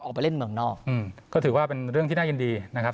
ออกไปเล่นเมืองนอกก็ถือว่าเป็นเรื่องที่น่ายินดีนะครับ